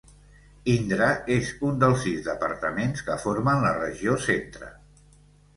Indre és un dels sis departaments que formen la regió Centre.